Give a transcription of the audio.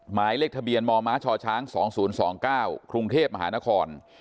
หมายเลขทะเบียนมมชช๒๐๒๙กรุงเทพมหานคร